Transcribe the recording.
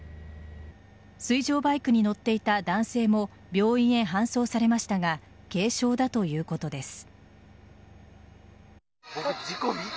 水上バイクに乗っていた男性も病院へ搬送されましたが軽傷だということです。